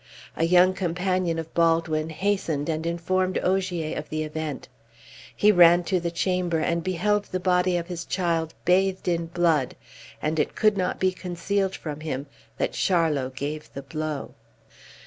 A young companion of Baldwin hastened and informed Ogier of the event. He ran to the chamber, and beheld the body of his child bathed in blood, and it could not be concealed from him that Charlot gave the blow.